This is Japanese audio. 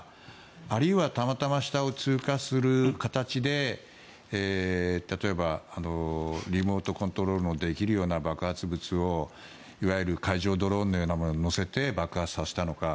あるいはたまたま下を通過する形で例えば、リモートコントロールができるような爆発物を海上用ドローンのようなものに載せて爆発させたのか。